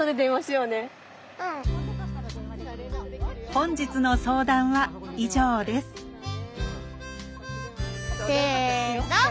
本日の相談は以上ですせの。